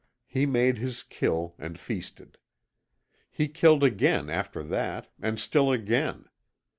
He made his kill, and feasted. He killed again after that, and still again.